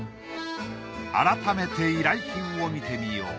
改めて依頼品を見てみよう。